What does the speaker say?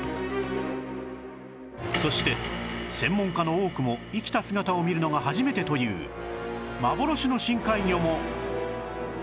そして専門家の多くも生きた姿を見るのが初めてという幻の深海魚も